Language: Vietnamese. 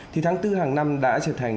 thì tháng bốn hàng năm đã trở thành